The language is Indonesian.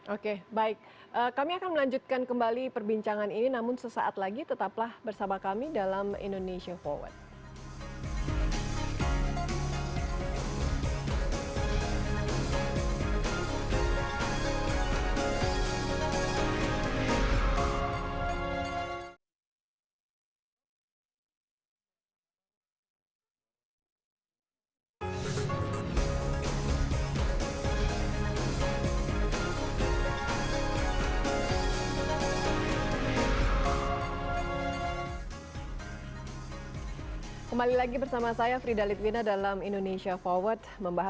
oke baik kami akan melanjutkan kembali perbincangan ini namun sesaat lagi tetaplah bersama kami dalam indonesian forward